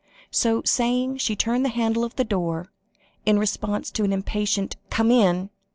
So saying, she turned the handle of the door, in response to an impatient "Come in!"